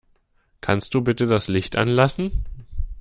Kannst du bitte das Licht anlassen?